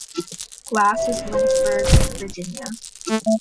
Glass in Lynchburg, Virginia.